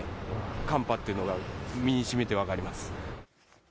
寒波なのが身にしみて分かります。